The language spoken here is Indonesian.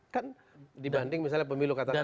kan dibanding misalnya pemilu katanya awal